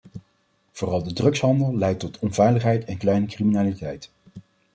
Vooral de drugshandel leidt tot onveiligheid en kleine criminaliteit.